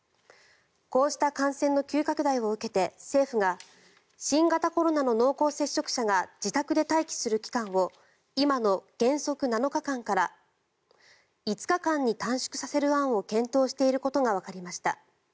こうした感染の急拡大を受けて政府が新型コロナの濃厚接触者が自宅で待機する期間を今の原則７日間から５日間に短縮させる案を検討していることがわかりました。